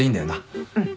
うん。